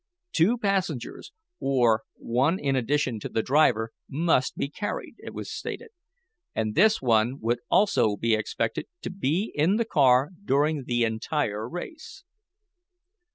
Two passengers, or one in addition to the driver, must be carried, it was stated, and this one would also be expected to be in the car during the entire race.